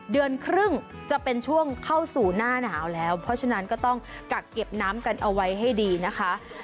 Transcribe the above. เดือนครึ่งจะเป็นช่วงเข้าสู่หน้าหนาวแล้วเพราะฉะนั้นก็ต้องกักเก็บน้ำกันเอาไว้ให้ดีนะคะ